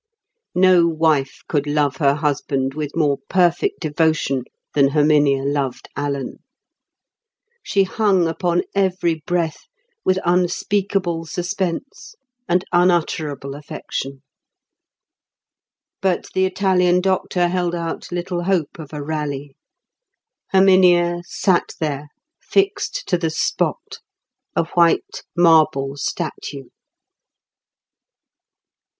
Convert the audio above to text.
No wife could love her husband with more perfect devotion than Herminia loved Alan. She hung upon every breath with unspeakable suspense and unutterable affection. But the Italian doctor held out little hope of a rally. Herminia sat there, fixed to the spot, a white marble statue.